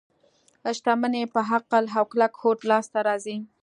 شتمني په عقل او کلک هوډ لاس ته راځي.